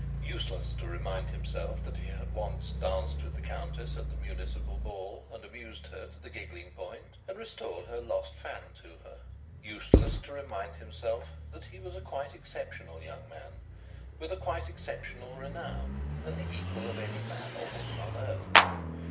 Useless to remind himself that he had once danced with the Countess at the municipal ball, and amused her to the giggling point, and restored her lost fan to her. Useless to remind himself that he was a quite exceptional young man, with a quite exceptional renown, and the equal of any man or woman on earth.